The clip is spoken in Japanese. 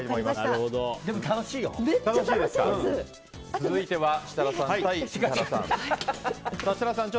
続いては設楽さん対杉原さん。